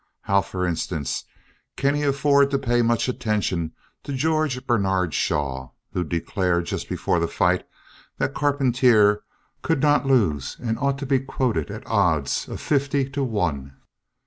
How, for instance, can he afford to pay much attention to George Bernard Shaw who declared just before the fight that Carpentier could not lose and ought to be quoted at odds of fifty to one?